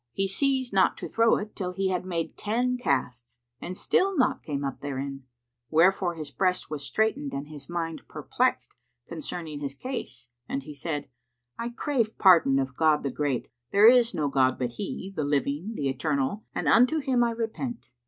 He ceased not to throw it, till he had made ten casts, and still naught came up therein; wherefore his breast was straitened and his mind perplexed concerning his case and he said, "I crave pardon of God the Great, there is no god but He, the Living, the Eternal, and unto Him I repent.